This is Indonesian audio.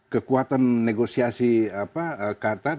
kekuatan negosiasi qatar